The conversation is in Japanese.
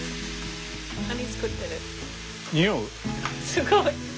すごい。